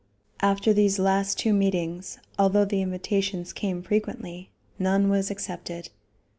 After these last two meetings, although the invitations came frequently, none was accepted.